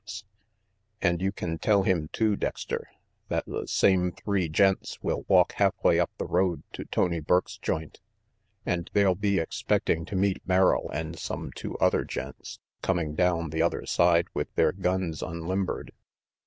RANGY PETE "And you can tell him too, Dexter, that the same three gents will walk halfway up the road to Tony Burke's joint, and they'll be expecting to meet Merrill and some two other gents coming down the other way with their guns unlimbered.